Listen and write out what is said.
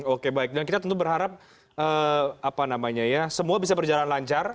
oke baik dan kita tentu berharap apa namanya ya semua bisa berjalan lancar